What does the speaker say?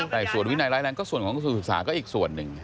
แต่ส่วนวินายแรงพยายามก็อีกส่วนหนึ่ง